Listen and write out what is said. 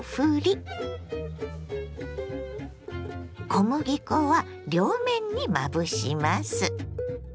小麦粉は両面にまぶします。